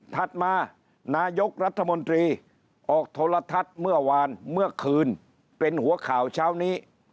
มานายกรัฐมนตรีออกโทรทัศน์เมื่อวานเมื่อคืนเป็นหัวข่าวเช้านี้